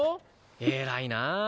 偉いなあ。